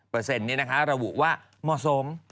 เปอร์เซ็นต์นี้นะคะระบุว่าเหมาะสม